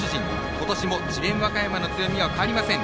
今年も智弁和歌山の強みは変わりません。